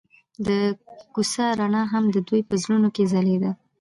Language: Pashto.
د کوڅه رڼا هم د دوی په زړونو کې ځلېده.